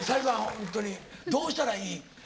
ホントにどうしたらいい？